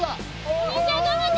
お兄ちゃんがんばって。